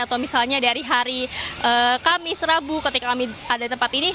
atau misalnya dari hari kamis rabu ketika kami ada di tempat ini